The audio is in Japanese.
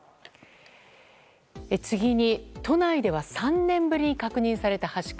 次に、都内では３年ぶりに確認された、はしか。